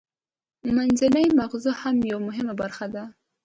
منځنی مغزه هم یوه مهمه برخه ده